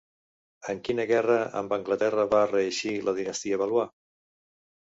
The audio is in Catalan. En quina guerra amb Anglaterra va reeixir la dinastia Valois?